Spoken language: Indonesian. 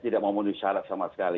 tidak mau menyesal sama sekali